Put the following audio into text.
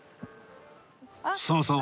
そうそう。